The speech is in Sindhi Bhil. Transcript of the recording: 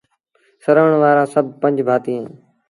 سروڻ وآرآ سڀ پنج ڀآتيٚ اوهيݩ